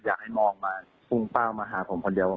อยากให้มองมาพุ่งเป้ามาหาผมคนเดียว